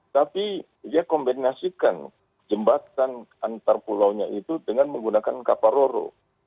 tapi dia kombinasikan jembatan antar pulaunya itu dengan menggunakan kapal roro